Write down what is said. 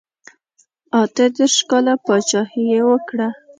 اته دېرش کاله پاچهي یې وکړه.